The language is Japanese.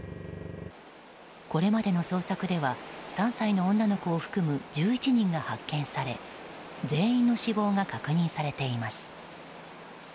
これまでの捜索では３歳の女の子を含む１１人が発見され全員の死亡が確認されています。